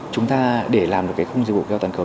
chúng ta để làm được khung dịch vụ khí hậu toàn cầu